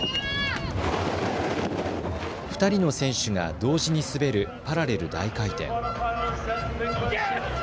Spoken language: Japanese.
２人の選手が同時に滑るパラレル大回転。